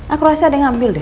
aku rasa ada yang ngambil deh